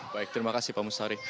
baik terima kasih pak mustari